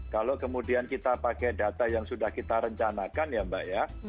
kalau kemudian kita pakai data yang sudah kita rencanakan ya mbak ya